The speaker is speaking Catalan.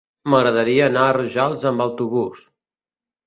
M'agradaria anar a Rojals amb autobús.